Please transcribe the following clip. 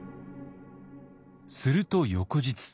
すると翌日。